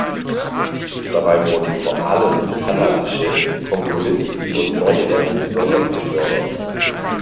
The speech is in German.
Dabei wurden vor allem kanadische Komponisten und neue Werke besonders gefördert.